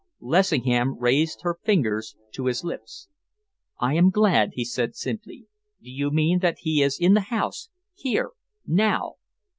Lessingham raised her fingers to his lips. "I am glad," he said simply. "Do you mean that he is in the house here, now?"